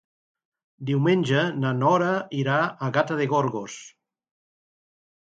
Diumenge na Nora irà a Gata de Gorgos.